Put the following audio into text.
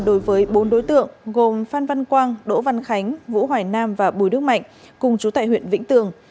đối với bốn đối tượng gồm phan văn quang đỗ văn khánh vũ hoài nam và bùi đức mạnh cùng chú tại huyện vĩnh tường